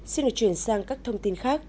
xin được chuyển sang các thông tin khác